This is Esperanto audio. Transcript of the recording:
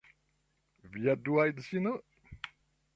Via dua edzino